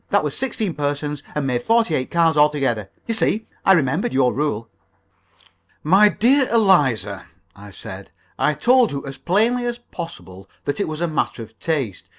That was sixteen persons, and made forty eight cards altogether. You see, I remembered your rule." "My dear Eliza," I said, "I told you as plainly as possible that it was a matter of taste.